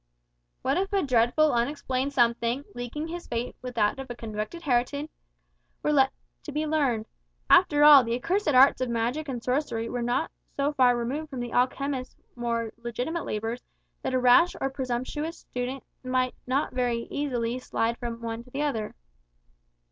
What if a dreadful unexplained something, linking his fate with that of a convicted heretic, were yet to be learned? After all, the accursed arts of magic and sorcery were not so far removed from the alchemist's more legitimate labours, that a rash or presumptuous student might not very easily slide from one into the other.